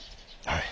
はい。